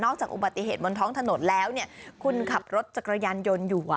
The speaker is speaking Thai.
จากอุบัติเหตุบนท้องถนนแล้วคุณขับรถจักรยานยนต์อยู่